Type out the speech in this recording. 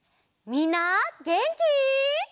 みんなげんき？